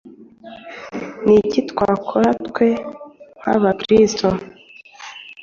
Ni iki twakora twe nk'abakristo